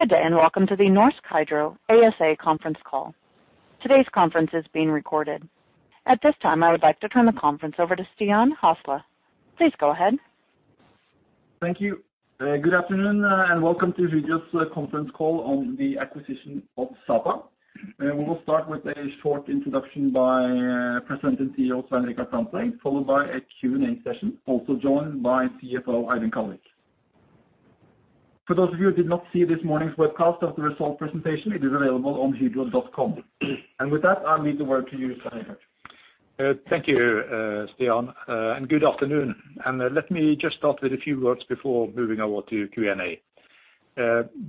Good day, and welcome to the Norsk Hydro ASA conference call. Today's conference is being recorded. At this time, I would like to turn the conference over to Stian Hasle. Please go ahead. Thank you. Good afternoon, and welcome to Hydro's conference call on the acquisition of Sapa. We will start with a short introduction by President and CEO, Svein Richard Brandtzæg, followed by a Q&A session, also joined by CFO Eivind Kallevik. For those of you who did not see this morning's webcast of the result presentation, it is available on hydro.com. With that, I'll leave the word to you, Svein Richard. Thank you, Stian, and good afternoon. Let me just start with a few words before moving over to Q&A.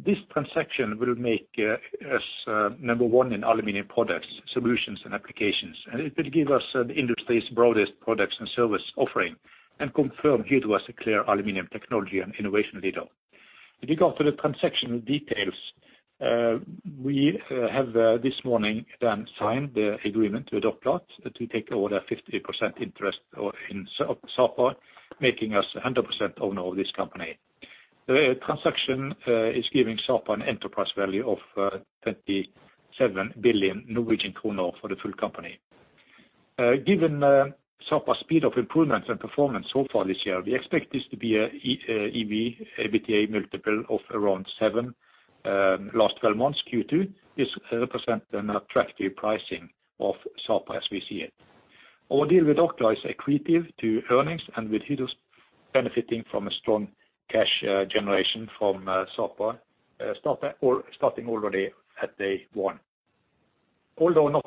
This transaction will make us number one in aluminum products, solutions and applications. It will give us the industry's broadest products and service offering, and confirm Hydro as a clear aluminum technology and innovation leader. If you go to the transaction details, we have this morning signed the agreement with Orkla to take over a 50% interest in Sapa, making us a 100% owner of this company. The transaction is giving Sapa an enterprise value of 27 billion Norwegian kroner for the full company. Given Sapa's speed of improvement and performance so far this year, we expect this to be an EV/EBITDA multiple of around seven last 12 months Q2. This represent an attractive pricing of Sapa as we see it. Our deal with Orkla is accretive to earnings and with Hydro's benefiting from a strong cash generation from Sapa, starting already at day one. Although not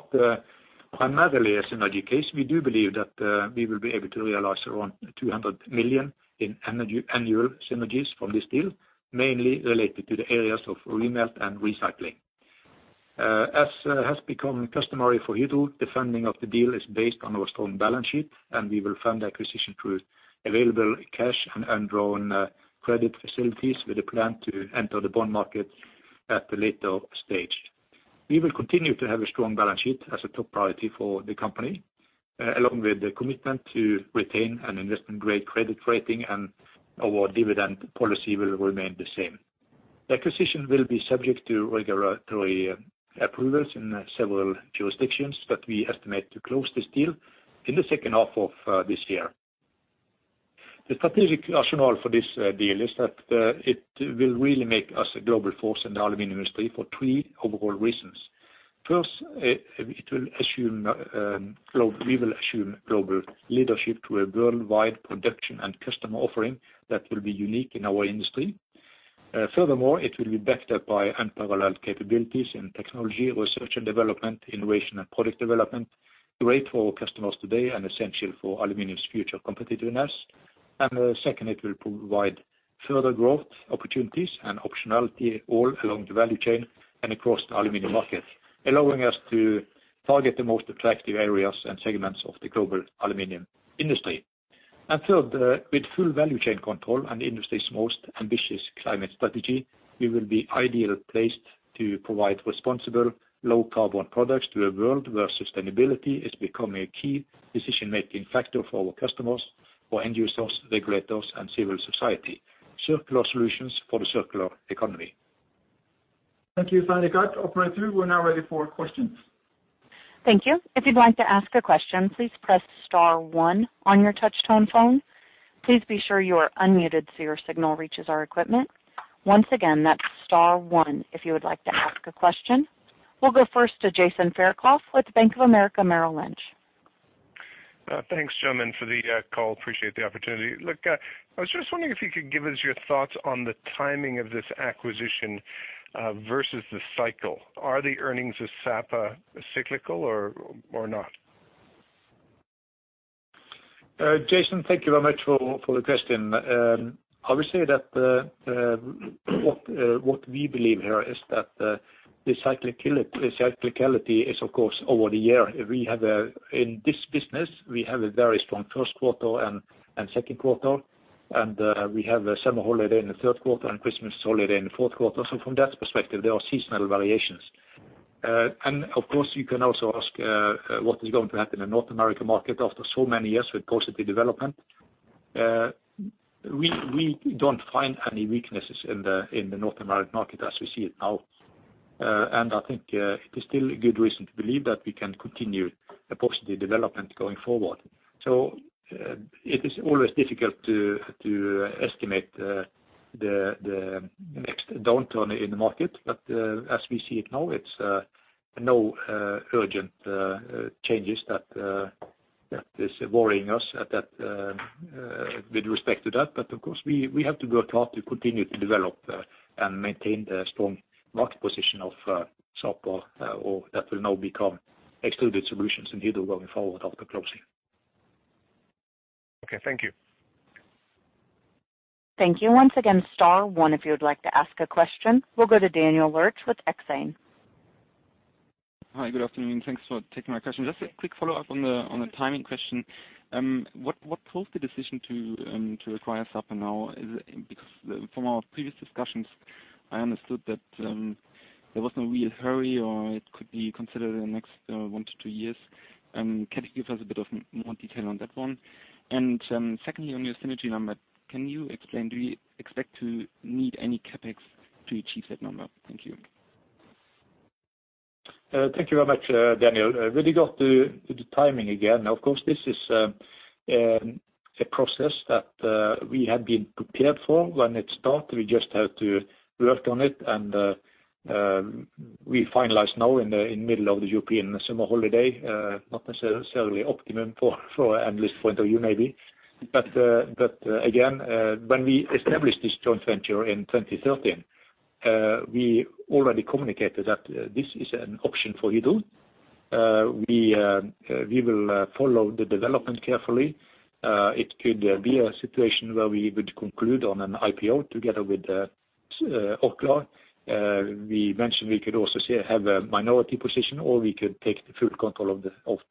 primarily a synergy case, we do believe that we will be able to realize around 200 million in annual synergies from this deal, mainly related to the areas of remelt and recycling. As has become customary for Hydro, the funding of the deal is based on our strong balance sheet, and we will fund the acquisition through available cash and undrawn credit facilities with a plan to enter the bond market at a later stage. We will continue to have a strong balance sheet as a top priority for the company, along with the commitment to retain an investment-grade credit rating and our dividend policy will remain the same. The acquisition will be subject to regulatory approvals in several jurisdictions, but we estimate to close this deal in the H2 of this year. The strategic rationale for this deal is that it will really make us a global force in the aluminum industry for three overall reasons. First, we will assume global leadership to a worldwide production and customer offering that will be unique in our industry. Furthermore, it will be backed up by unparalleled capabilities in technology, research and development, innovation and product development, great for our customers today and essential for aluminum's future competitiveness. Second, it will provide further growth opportunities and optionality all along the value chain and across the aluminum market, allowing us to target the most attractive areas and segments of the global aluminum industry. Third, with full value chain control and the industry's most ambitious climate strategy, we will be ideal placed to provide responsible low carbon products to a world where sustainability is becoming a key decision-making factor for our customers or end users, regulators and civil society. Circular solutions for the circular economy. Thank you, Svein Richard. Operator, we're now ready for questions. Thank you. If you'd like to ask a question, please press star one on your touch tone phone. Please be sure you are unmuted, so your signal reaches our equipment. Once again, that's star one, if you would like to ask a question. We'll go first to Jason Fairclough with Bank of America Merrill Lynch. Thanks, gentlemen, for the call. Appreciate the opportunity. Look, I was just wondering if you could give us your thoughts on the timing of this acquisition versus the cycle. Are the earnings of Sapa cyclical or not? Jason, thank you very much for the question. I would say that what we believe here is that the cyclicality is of course over the year. We have in this business a very strong Q1 and Q2, and we have a summer holiday in the Q3 and Christmas holiday in the Q4. From that perspective, there are seasonal variations. Of course, you can also ask what is going to happen in the North American market after so many years with positive development. We don't find any weaknesses in the North American market as we see it now. I think there's still a good reason to believe that we can continue a positive development going forward. It is always difficult to estimate the next downturn in the market. As we see it now, there are no urgent changes that are worrying us with respect to that. Of course, we have to work hard to continue to develop and maintain the strong market position of Sapa that will now become Extruded Solutions in Hydro going forward after closing. Okay. Thank you. Thank you. Once again, star one if you would like to ask a question. We'll go to Daniel Lurch with Exane. Hi, good afternoon. Thanks for taking my question. Just a quick follow-up on the timing question. What caused the decision to acquire Sapa now? Is it because from our previous discussions, I understood that there was no real hurry or it could be considered in the next one to two years. Can you give us a bit more detail on that one? Secondly, on your synergy number, can you explain, do you expect to need any CapEx to achieve that number? Thank you. Thank you very much, Daniel. In regards to the timing again. Of course, this is a process that we had been prepared for when it started. We just had to work on it and we finalize now in the middle of the European summer holiday. Not necessarily optimum for analyst point of view maybe. Again, when we established this joint venture in 2013, we already communicated that this is an option for Hydro. We will follow the development carefully. It could be a situation where we would conclude on an IPO together with Orkla. We mentioned we could also say have a minority position or we could take the full control of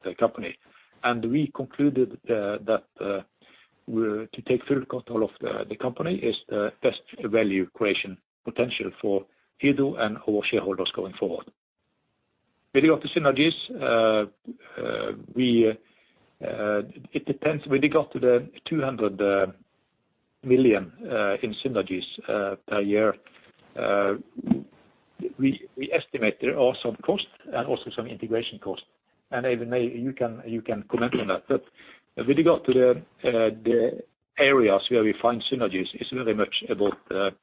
the company. We concluded that we're to take full control of the company is best value creation potential for Hydro and our shareholders going forward. With regard to synergies, it depends. With regard to the 200 million in synergies per year, we estimate there are some costs and also some integration costs. Eivind, maybe you can comment on that. With regard to the areas where we find synergies is very much about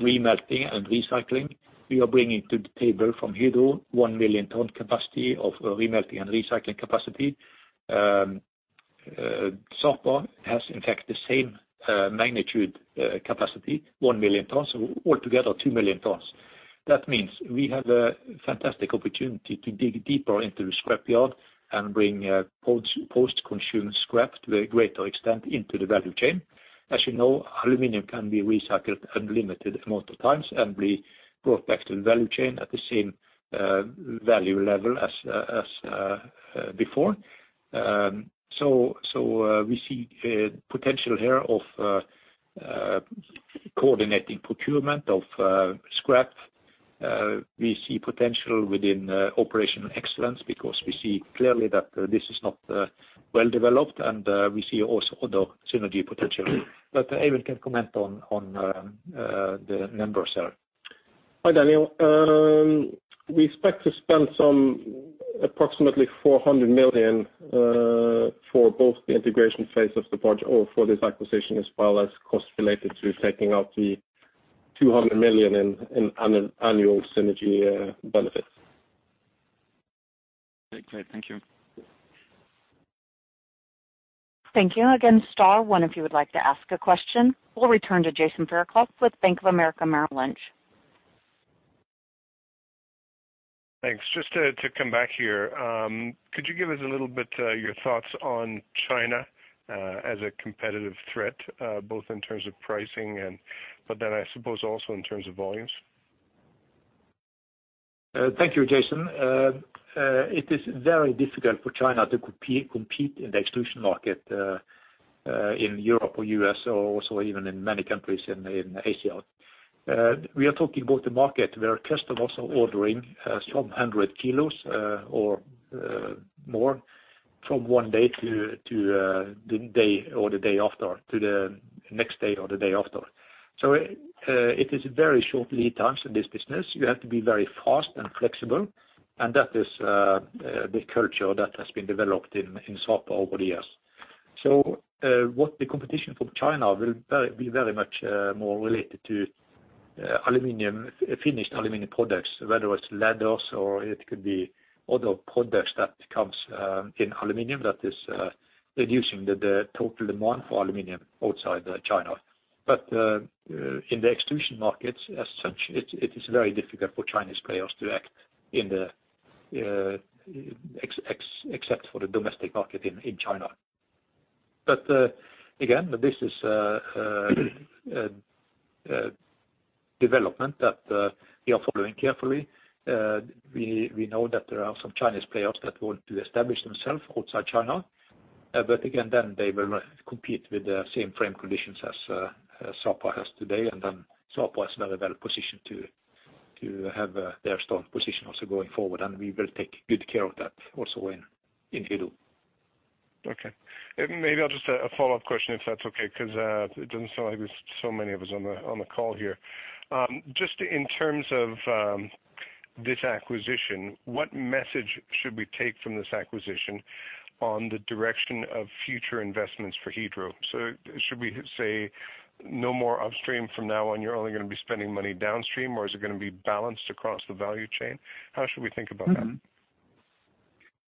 remelting and recycling. We are bringing to the table from Hydro 1 million ton capacity of remelting and recycling capacity. Sapa has in fact the same magnitude capacity, 1 million tons, so altogether 2 million tons. That means we have a fantastic opportunity to dig deeper into scrap yard and bring post-consumer scrap to a greater extent into the value chain. As you know, aluminum can be recycled unlimited amount of times and be brought back to the value chain at the same value level as before. We see potential here of coordinating procurement of scrap. We see potential within operational excellence because we see clearly that this is not well developed, and we see also other synergy potential. Eivind can comment on the numbers there. Hi, Daniel. We expect to spend some approximately 400 million for both the integration phase of the project or for this acquisition, as well as costs related to taking out the 200 million in annual synergy benefits. Okay, great. Thank you. Thank you. Again, star one if you would like to ask a question. We'll return to Jason Fairclough with Bank of America Merrill Lynch. Thanks. Just to come back here, could you give us a little bit, your thoughts on China, as a competitive threat, both in terms of pricing, but then I suppose also in terms of volumes? Thank you, Jason. It is very difficult for China to compete in the extrusion market in Europe or U.S. or also even in many countries in Asia. We are talking about the market where customers are ordering some 100 kilos or more from one day to the day or the day after, to the next day or the day after. It is very short lead times in this business. You have to be very fast and flexible, and that is the culture that has been developed in Sapa over the years. What the competition from China will very much be more related to aluminum finished aluminum products, whether it's ladders or it could be other products that comes in aluminum that is reducing the total demand for aluminum outside China. In the extrusion markets, as such, it is very difficult for Chinese players to act except for the domestic market in China. Again, this is a development that we are following carefully. We know that there are some Chinese players that want to establish themselves outside China. Again, then they will compete with the same framework conditions as Sapa has today, and then Sapa is very well positioned to have their strong position also going forward, and we will take good care of that also in Hydro. Okay. Maybe I'll just a follow-up question, if that's okay, because it doesn't sound like there's so many of us on the call here. Just in terms of this acquisition, what message should we take from this acquisition on the direction of future investments for Hydro? Should we say no more upstream from now on, you're only gonna be spending money downstream, or is it gonna be balanced across the value chain? How should we think about that?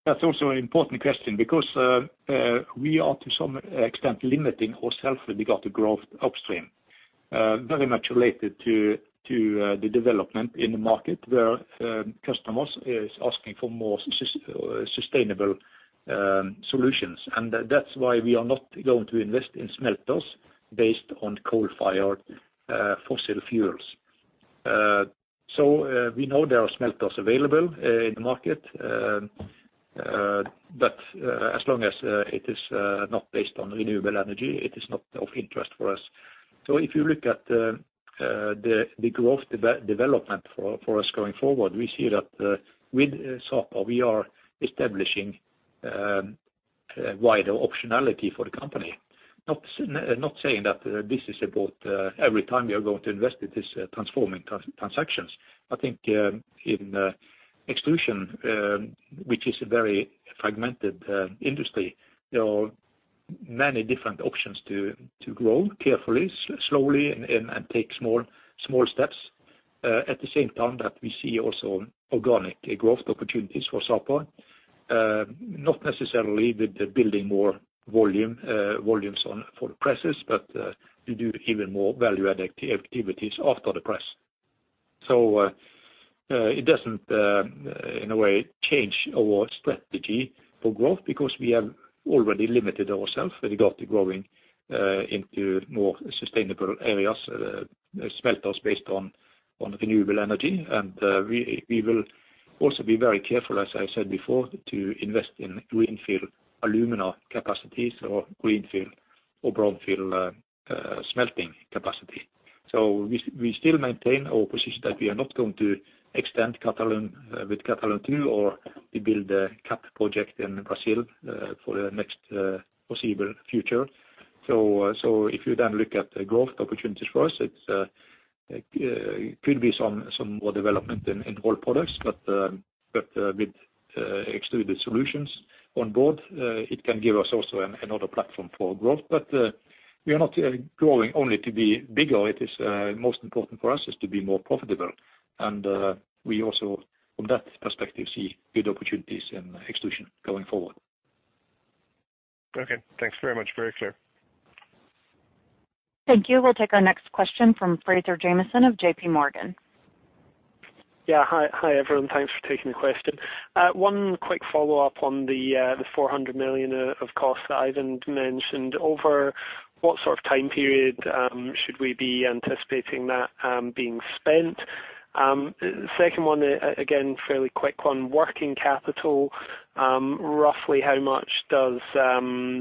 That's also an important question because we are to some extent limiting ourself with regard to growth upstream. Very much related to the development in the market where customers is asking for more sustainable solutions. That's why we are not going to invest in smelters based on coal-fired fossil fuels. We know there are smelters available in the market. But as long as it is not based on renewable energy, it is not of interest for us. If you look at the growth development for us going forward, we see that with Sapa, we are establishing a wider optionality for the company. Not saying that this is about every time we are going to invest with this transforming transactions. I think in extrusion, which is a very fragmented industry, there are many different options to grow carefully, slowly and take small steps. At the same time that we see also organic growth opportunities for Sapa. Not necessarily with the building more volumes on for the presses, but to do even more value-added activities after the press. It doesn't in a way change our strategy for growth because we have already limited ourselves with regard to growing into more sustainable areas, smelters based on renewable energy. We will also be very careful, as I said before, to invest in greenfield alumina capacities or greenfield or brownfield smelting capacity. We still maintain our position that we are not going to extend Karmøy with Karmøy Two, or we build a CAP project in Brazil, for the next foreseeable future. If you then look at the growth opportunities for us, it could be some more development in rolled products, but with Extruded Solutions on board, it can give us also another platform for growth. We are not growing only to be bigger. It is most important for us is to be more profitable. We also from that perspective see good opportunities in extrusion going forward. Okay, thanks very much. Very clear. Thank you. We'll take our next question from Fraser Jamieson of JPMorgan. Yeah. Hi. Hi, everyone. Thanks for taking the question. One quick follow-up on the 400 million of costs that Eivind mentioned. Over what sort of time period should we be anticipating that being spent? Second one, again, fairly quick one. Working capital, roughly how much does Sapa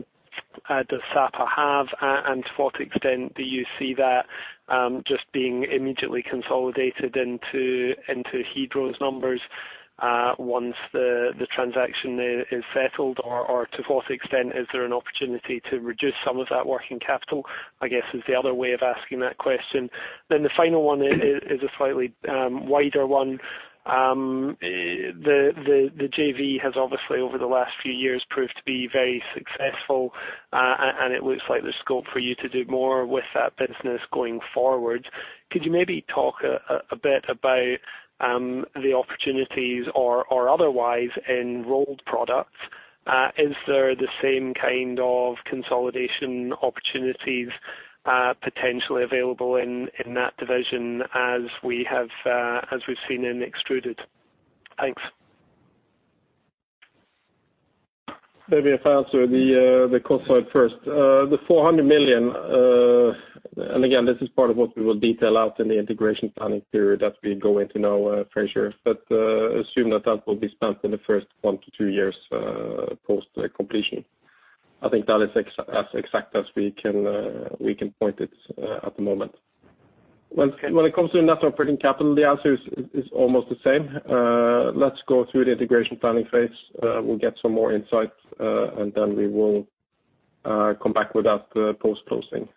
have? And to what extent do you see that just being immediately consolidated into Hydro's numbers once the transaction is settled? Or to what extent is there an opportunity to reduce some of that working capital, I guess, is the other way of asking that question. The final one is a slightly wider one. The JV has obviously, over the last few years, proved to be very successful. It looks like there's scope for you to do more with that business going forward. Could you maybe talk a bit about the opportunities or otherwise in rolled products? Is there the same kind of consolidation opportunities potentially available in that division as we've seen in Extruded? Thanks. Maybe if I answer the cost side first. The 400 million, and again, this is part of what we will detail out in the integration planning period that we go into now, Fraser. Assume that that will be spent in the first one to two years post completion. I think that is as exact as we can point it at the moment. When it comes to net operating capital, the answer is almost the same. Let's go through the integration planning phase. We'll get some more insight, and then we will come back with that post-closing.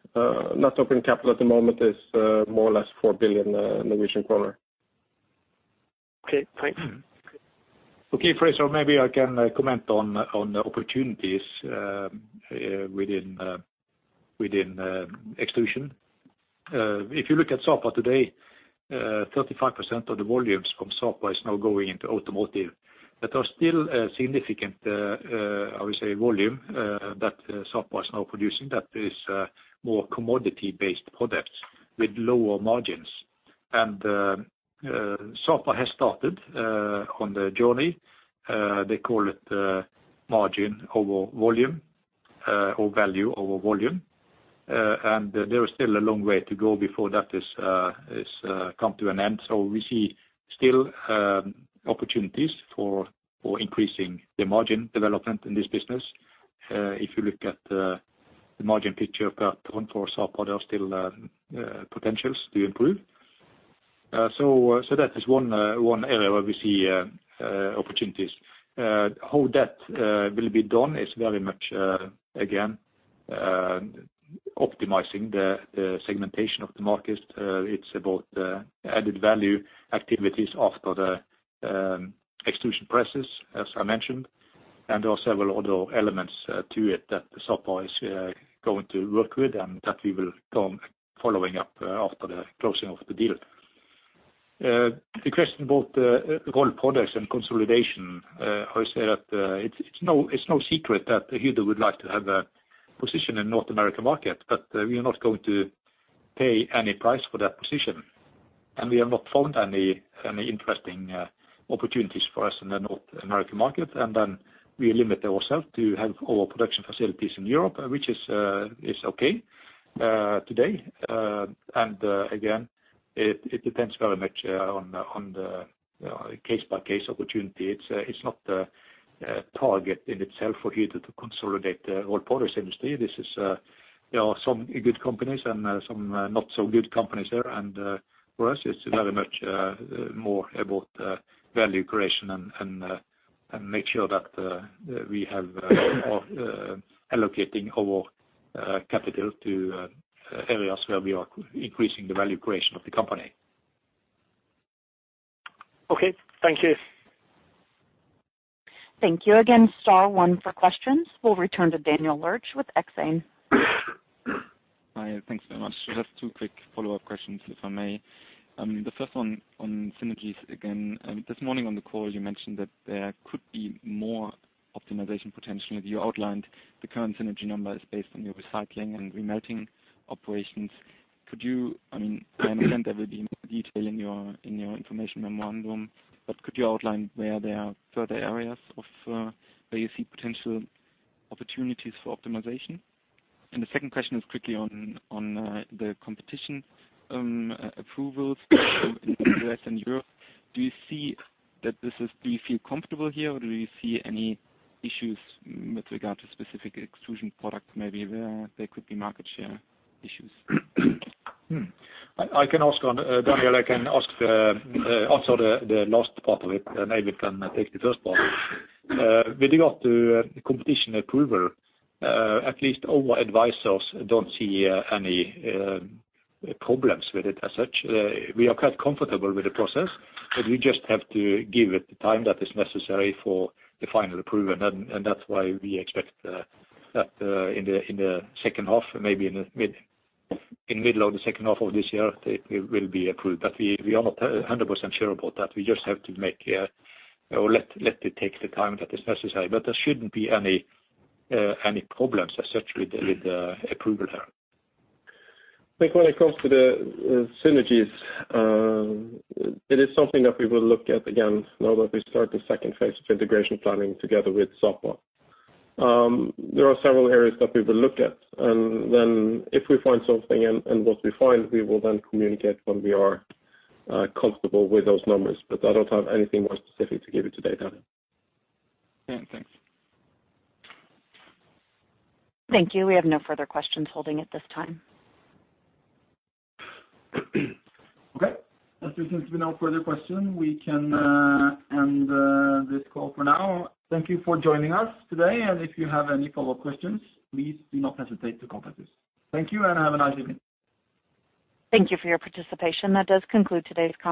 Net operating capital at the moment is more or less 4 billion Norwegian kroner. Okay, thanks. Okay, Fraser, maybe I can comment on the opportunities within extrusion. If you look at Sapa today, 35% of the volumes from Sapa is now going into automotive. But there's still a significant, obviously volume that Sapa is now producing that is more commodity-based products with lower margins. Sapa has started on the journey they call it margin over volume or value over volume. There is still a long way to go before that is come to an end. We see still opportunities for increasing the margin development in this business. If you look at the margin picture for Sapa, there are still potentials to improve. That is one area where we see opportunities. How that will be done is very much again optimizing the segmentation of the market. It's about added value activities after the extrusion prices, as I mentioned, and also have a lot of elements to it that Sapa is going to work with and that we will come following up after the closing of the deal. The question about rolled products and consolidation, I say that it's no secret that Hydro would like to have a position in North American market, but we are not going to pay any price for that position. We have not found any interesting opportunities for us in the North American market. We limit ourselves to have our production facilities in Europe, which is okay today. It depends very much on the case-by-case opportunity. It's not the target in itself for Hydro to consolidate the whole powders industry. There are some good companies and some not so good companies there. For us, it's very much more about value creation and make sure that we allocate our capital to areas where we are increasing the value creation of the company. Okay, thank you. Thank you again. Star one for questions. We'll return to Daniel Lurch with Exane. Hi, thanks very much. Just two quick follow-up questions, if I may. The first one on synergies again. This morning on the call you mentioned that there could be more optimization potentially. You outlined the current synergy number is based on your recycling and remelting operations. I mean, I imagine there will be more detail in your information memorandum, but could you outline where there are further areas of where you see potential opportunities for optimization? The second question is quickly on the competition approvals in U.S. and Europe. Do you feel comfortable here, or do you see any issues with regard to specific extrusion products, maybe where there could be market share issues? I can also, Daniel, answer the last part of it, and Eivind can take the first part. With regard to competition approval, at least our advisors don't see any problems with it as such. We are quite comfortable with the process, but we just have to give it the time that is necessary for the final approval. That's why we expect that in the H2, maybe in the middle of the H2 of this year, it will be approved. We are not a hundred percent sure about that. We just have to let it take the time that is necessary. There shouldn't be any problems as such with the approval there. I think when it comes to the synergies, it is something that we will look at again now that we start the second phase of integration planning together with Sapa. There are several areas that we will look at, and then if we find something and what we find, we will then communicate when we are comfortable with those numbers. I don't have anything more specific to give you today, Daniel. Yeah, thanks. Thank you. We have no further questions holding at this time. Okay. As there seems to be no further question, we can end this call for now. Thank you for joining us today. If you have any follow-up questions, please do not hesitate to contact us. Thank you, and have a nice evening. Thank you for your participation. That does conclude today's conference.